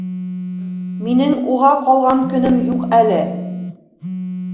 Минең уға ҡалған көнөм юҡ әле.